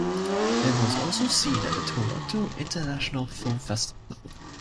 It was also seen at the Toronto International Film Festival.